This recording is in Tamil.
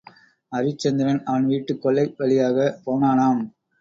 அரிச்சந்திரன் அவன் வீட்டுக் கொல்லை வழியாகப் போனானாம்.